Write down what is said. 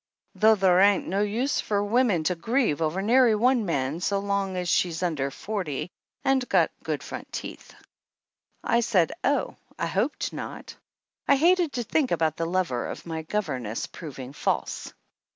Though thar .ain't no use for a woman to grieve over nary one man so long's she under forty and got good front teeth !" I said oh, I hoped not. I hated to think about the lover of my governess proving false